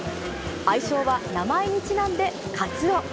愛称は名前にちなんで、カツオ。